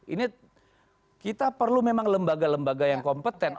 ini kita perlu memang lembaga lembaga yang kompeten